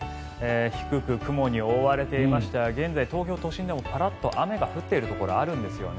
低く雲に覆われていまして現在、東京都心でもパラッと雨が降っているところあるんですよね。